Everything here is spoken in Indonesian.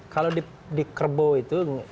kalau di kerbau itu